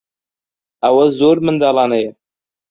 ئەوە زۆر منداڵانەیە.